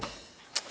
udah lo tenang aja